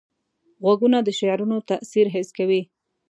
غوږونه د شعرونو تاثیر حس کوي